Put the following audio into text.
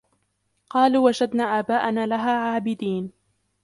قالوا وجدنا آباءنا لها عابدين